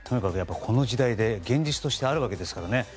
この時代で現実としてあるわけですからね。